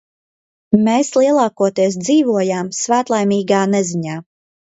Mēs lielākoties dzīvojām svētlaimīgā neziņā.